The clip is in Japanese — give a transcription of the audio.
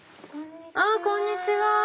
こんにちは。